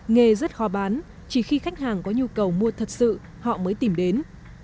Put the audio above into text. nghề rất khó bán chỉ khi khách hàng có nhu cầu mua thật sự họ mới tìm đến